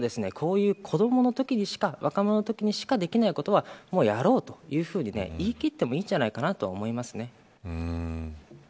そろそろ子どものときにしか若者のときにしかできないことはやろうよというふうに言い切ってもいいんじゃないかと思います。